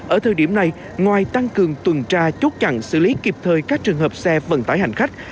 ở thời điểm này ngoài tăng cường tuần tra chốt chặn xử lý kịp thời các trường hợp xe vận tải hành khách